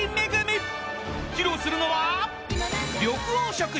［披露するのは］